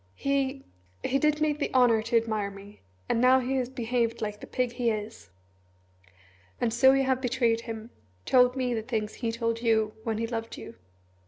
"He he did me the honour to admire me and now he has behaved like the pig he is." "And so you have betrayed him told me the things he told you when he loved you?"